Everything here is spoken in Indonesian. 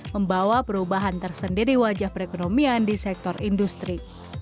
membawa perubahan tersendiri wajah perekonomian di sektor industri